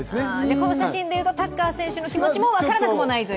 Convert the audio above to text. この写真でいうと、タッカー選手の気持ちも分からなくはないという。